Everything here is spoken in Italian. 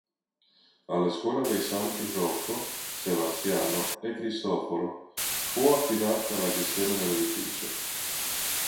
Alla Scuola dei santi Rocco, Sebastiano e Cristoforo, fu affidata la gestione dell'edificio.